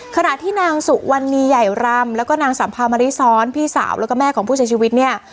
ขณะที่นางสุวรรณีใหญ่รำแล้วก็นางสัมภามาริซ้อนพี่สาวแล้วก็แม่ของผู้เสียชีวิตเนี่ย